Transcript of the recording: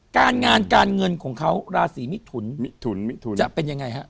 การงานการเงินของเขาราศีมิถุนจะเป็นยังไงฮะ